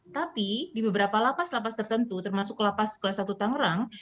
tapi di beberapa lapas lapas tertentu termasuk lapas kelas satu tangerang